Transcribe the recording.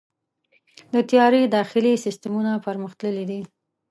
د طیارې داخلي سیستمونه پرمختللي دي.